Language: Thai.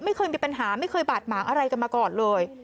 ไม่เคยมีปัญหาไม่เคยบาดหมางอะไรกันมาก่อนเลย